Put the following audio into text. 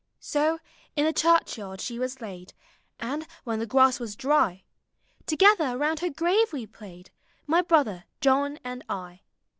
" So in the churchyard she was laid; And, when the grass was dry. Together round her grave we played, My brother John and I.